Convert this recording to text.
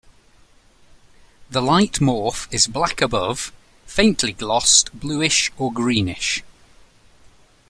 The light morph is black above, faintly glossed bluish or greenish.